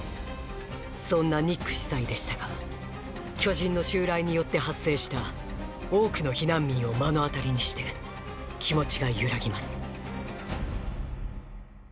そんなニック司祭でしたが巨人の襲来によって発生した多くの避難民を目の当たりにして気持ちが揺らぎます